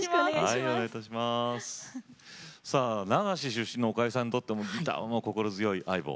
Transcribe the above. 流し出身のおかゆさんにとっても、ギターは心強い相棒。